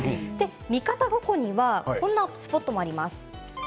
三方五湖にはこんなスポットもあります。